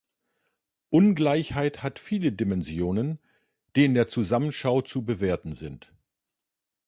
Ungleichheit hat viele Dimensionen, die in der Zusammenschau zu bewerten sind.